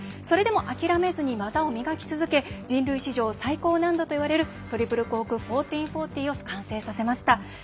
それでも諦めずに技を磨き続け人類史上最高難度といわれるトリプルコーク１４４０を完成させました。